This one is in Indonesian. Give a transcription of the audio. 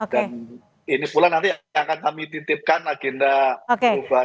dan ini sebulan nanti akan kami titipkan agenda perubahan